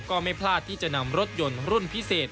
ก็ไม่พลาดที่จะนำรถยนต์รุ่นพิเศษ